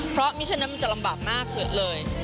เพราะมิชชนนั้นมันจะลำบากมากเลยนะคะ